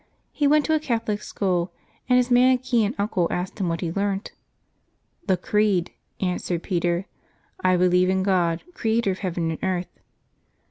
He went to a Catholic school, and his Manichean uncle asked what he learnt. " The Creed," answered Peter; "I believe in God, Creator of heaven and earth."